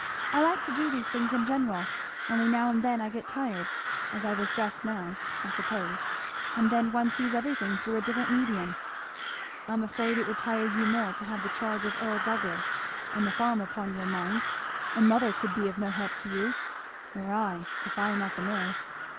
I like to do these things in general, only now and then I get tired, as I was just now, I suppose, and then one sees everything through a different medium." "I am afraid it would tire you more to have the charge of Earl Douglass and the farm upon your mind; and mother could be no help to you, nor I, if I am at the mill."